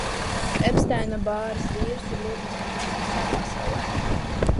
Epstaina–Bāras vīruss ir ļoti izplatīts visā pasaulē.